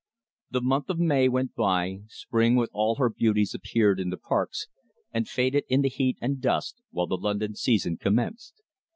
The month of May went by, spring with all her beauties appeared in the parks and faded in the heat and dust, while the London season commenced.